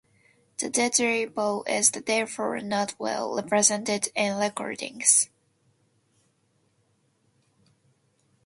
The diddley bow is therefore not well represented in recordings.